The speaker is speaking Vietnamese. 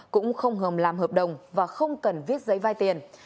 cũng không hầm làm hợp đồng và không cần viết giấy vay tiền